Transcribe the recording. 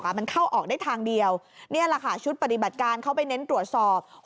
มันเข้าออกได้ทางเดียวนี่แหละค่ะชุดปฏิบัติการเข้าไปเน้นตรวจสอบ